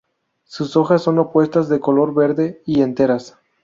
Sus hojas son opuestas de color verde y enteras.